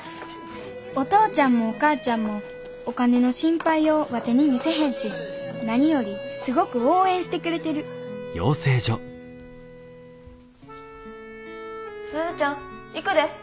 お父ちゃんもお母ちゃんもお金の心配をワテに見せへんし何よりすごく応援してくれてる鈴ちゃん行くで。